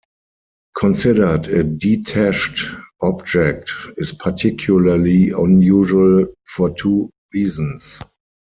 Considered a detached object, is particularly unusual for two reasons.